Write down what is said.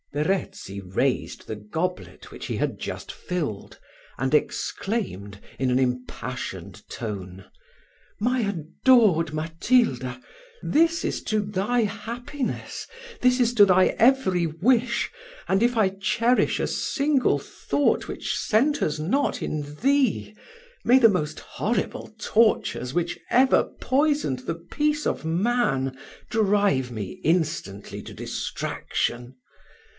Verezzi raised the goblet which he had just filled, and exclaimed, in an impassioned tone "My adored Matilda! this is to thy happiness this is to thy every wish; and if I cherish a single thought which centres not in thee, may the most horrible tortures which ever poisoned the peace of man, drive me instantly to distraction.